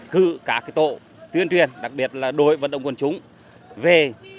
cứ cả cái tổ tuyên truyền đặc biệt là đối vận động quân chúng về